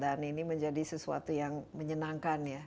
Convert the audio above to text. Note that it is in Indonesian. dan ini menjadi sesuatu yang menyenangkan ya